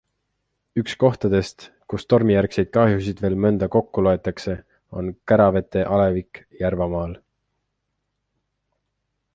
Üks kohtadest, kus tormijärgseid kahjusid veel mõnda kokku loetakse, on Käravete alevik Järvamaal.